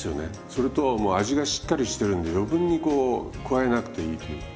それともう味がしっかりしてるんで余分にこう加えなくていいという。